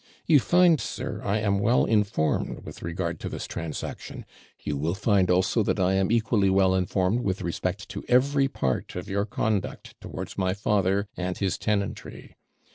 'You find, sir, I am well informed with regard to this transaction; you will find, also, that I am equally well informed with respect to every part of your conduct towards my father and his tenantry.